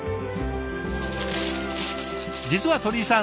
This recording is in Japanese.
実は鳥居さん